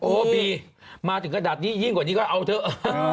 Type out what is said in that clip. บีมาถึงขนาดนี้ยิ่งกว่านี้ก็เอาเถอะ